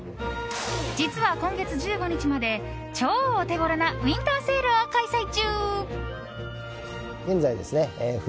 実は今月１５日まで超オテゴロなウィンターセールを開催中。